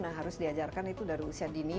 nah harus diajarkan itu dari usia dini